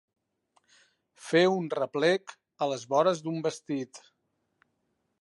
Fer un replec a les vores d'un vestit.